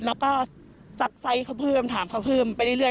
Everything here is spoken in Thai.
แล้วก็ซักไซส์เขาเพิ่มถามเขาเพิ่มไปเรื่อย